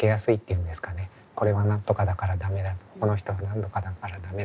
これは何とかだから駄目だこの人は何とかだから駄目だ。